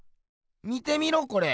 見てみろこれ。